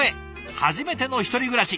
初めての１人暮らし。